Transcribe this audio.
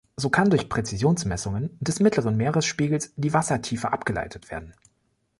So kann durch Präzisionsmessungen des mittleren Meeresspiegels die Wassertiefe abgeleitet werden.